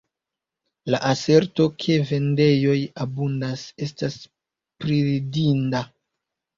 La aserto, ke vendejoj abundas, estas priridinda.